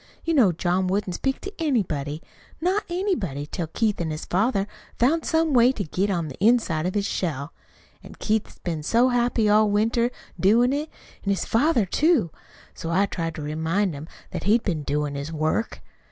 You know John wouldn't speak to anybody, not anybody, till Keith an' his father found some way to get on the inside of his shell. An' Keith's been so happy all winter doin' it; an' his father, too. So I tried to remind him that he'd been doin' his work.